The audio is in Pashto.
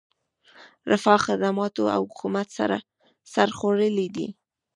رفاه، خدماتو او حکومت سر خوړلی دی.